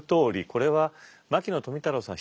これは牧野富太郎さん